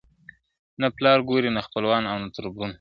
نه پلار ګوري نه خپلوان او نه تربرونه !.